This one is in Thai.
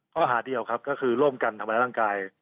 ข้อหาเดียวครับก็คือโรงกันทำบรรยารั่งกาย